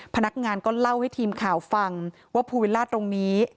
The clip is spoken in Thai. พนักงานก็เล่าให้ทีมข่าวฟังว่าภูวิลล่าตรงนี้